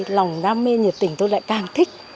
lòng đam mê nhiệt tình tôi lại càng thích